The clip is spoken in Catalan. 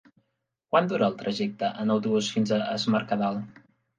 Quant dura el trajecte en autobús fins a Es Mercadal?